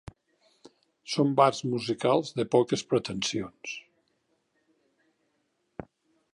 Són bars musicals de poques pretensions.